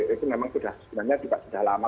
itu memang sebenarnya juga sudah lama